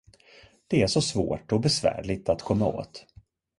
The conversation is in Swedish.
Det är så svårt och besvärligt att komma åt.